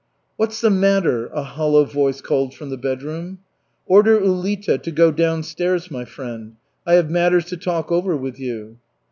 "What's the matter?" a hollow voice called from the bedroom. "Order Ulita to go downstairs, my friend. I have matters to talk over with you."